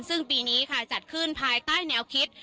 ซึ่งปีนี้ค่ะจัดขึ้นภายใต้แนวคิด